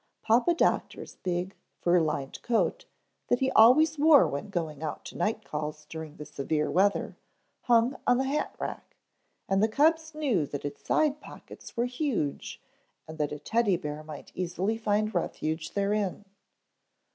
Papa Doctor's big, fur lined coat, that he always wore when going out to night calls during the severe weather, hung on the hat rack, and the cubs knew that its side pockets were huge and that a Teddy bear might easily find refuge therein.